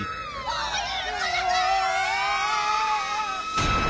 そういうことか！